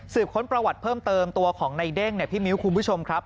ค้นประวัติเพิ่มเติมตัวของในเด้งเนี่ยพี่มิ้วคุณผู้ชมครับ